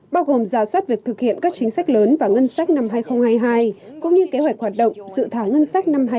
bao gồm giả soát việc thực hiện các chính sách lớn và ngân sách năm hai nghìn hai mươi hai cũng như kế hoạch hoạt động dự thảo ngân sách năm hai nghìn hai mươi bốn